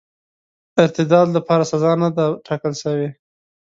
ارتداد لپاره سزا نه ده ټاکله سوې.